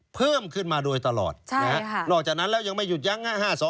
เพิ่มขึ้นมาโดยตลอดนะครับนอกจากนั้นแล้วยังไม่หยุดยั้ง๕๕๐๐๐๒๕๐๐๐๓๕๐๐๐๕๔๐๐๐